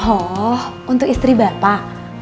oh untuk istri bapak